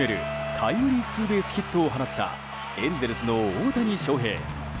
タイムリーツーベースヒットを放ったエンゼルスの大谷翔平。